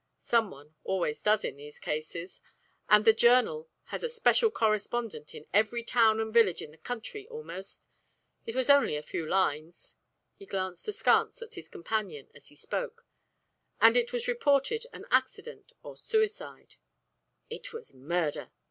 "Some one always does in these cases, and the Journal has a 'special correspondent' in every town and village in the country almost. It was only a few lines." He glanced askance at his companion as he spoke. "And it was reported an accident or suicide." "It was a murder!"